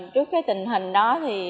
trước tình hình đó